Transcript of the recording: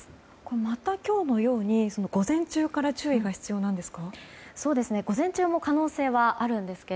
また今日のように午前中から注意が必要なんですか。